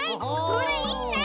それいいね！